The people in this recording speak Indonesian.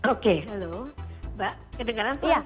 oke halo mbak kedengaran apa ya